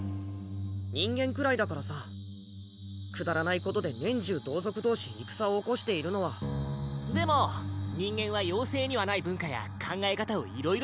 人間くらいだからさくだらないことで年中同族同士戦を起こしているのはでも人間は妖精にはない文化や考え方